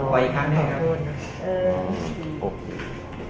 ไว้ข้างหน้าครับ